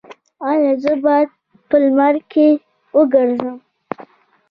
ایا زه باید په لمر کې وګرځم؟